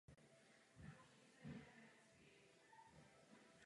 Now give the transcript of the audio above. Film se odehrává v kriminálním prostředí.